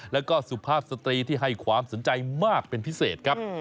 แล้วก็สุภาพสตรีที่ให้ความสนใจมากเป็นพิเศษครับ